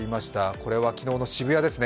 これは昨日の渋谷ですね。